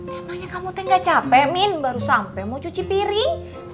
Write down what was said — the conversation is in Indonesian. emangnya kamu tuh gak capek min baru sampe mau cuci piring